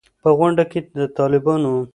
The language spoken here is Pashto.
په غونډه کې د طالبانو